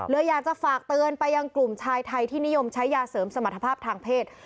เลยอยากจะฝากเตือนไปยังกลุ่มชายไทยที่นิยมใช้ยาเสริมสมรรถภาพทางเพศ